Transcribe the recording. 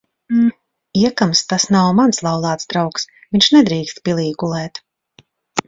Iekams tas nav mans laulāts draugs, viņš nedrīkst pilī gulēt.